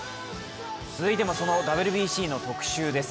続いてもそのＷＢＣの特集です。